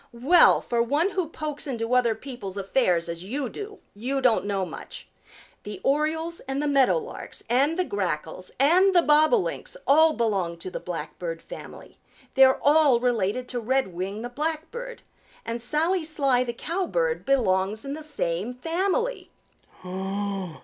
"Well, for one who pokes into other people's affairs as you do, you don't know much. The Orioles and the Meadow Larks and the Grackles and the Bobolinks all belong to the Blackbird family. They're all related to Redwing the Blackbird, and Sally Sly the Cowbird belongs in the same family."